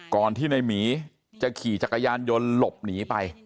ก่อนที่ในหมีจะขี่จักรยานยนต์หลบหนีไป